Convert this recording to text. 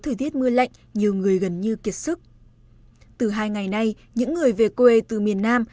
thời tiết mưa lạnh nhiều người gần như kiệt sức từ hai ngày nay những người về quê từ miền nam